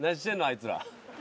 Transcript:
あいつら。